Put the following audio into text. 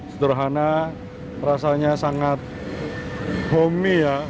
sederhana rasanya sangat homi ya